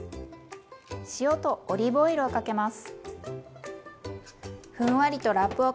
塩とオリーブオイルをかけます。